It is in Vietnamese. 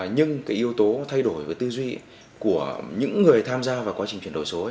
nhưng cái yếu tố thay đổi về tư duy của những người tham gia vào quá trình chuyển đổi số